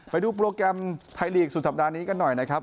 ไปดูโปรแกรมไทยลีกสุดสัปดาห์นี้กันหน่อยนะครับ